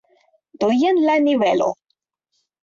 Do jen la nivelo.